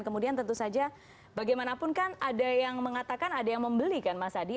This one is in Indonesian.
kemudian tentu saja bagaimanapun kan ada yang mengatakan ada yang membeli kan mas adi